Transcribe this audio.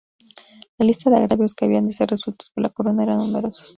La lista de agravios que habían de ser resueltos por la Corona eran numerosos.